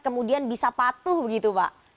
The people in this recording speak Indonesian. kemudian bisa patuh begitu pak